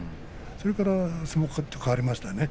それから相撲ががらっと変わりましたね。